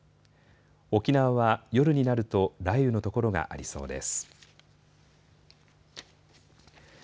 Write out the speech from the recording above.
沖縄は夜になると雷雨の所がありそうです。